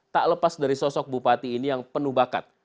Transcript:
tak lepas dari sosok bupati ini yang penuh bakat